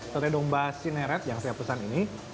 sate domba sineret yang saya pesan ini